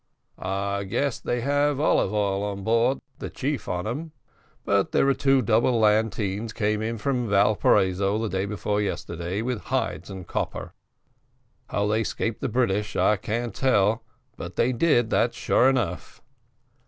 "I guess, they have olive oil on board, the chief on 'em. But there are two double lateens come in from Valparaiso the day before yesterday, with hides and copper. How they 'scaped the British, I can't tell, but they did, that's sure enough."